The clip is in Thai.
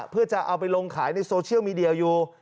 เพื่อจะเอาไปลงขายในโซเชียลมีเดียอยู่